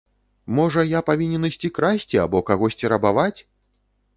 Можа, я павінен ісці красці або кагосьці рабаваць?